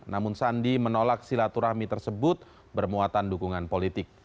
namun sandi menolak silaturahmi tersebut bermuatan dukungan politik